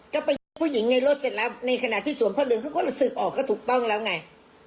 ก็ไปเจอผู้หญิงในรถเสร็จแล้วในขณะที่สวมพระเหลืองเขาก็รู้สึกออกก็ถูกต้องแล้วไง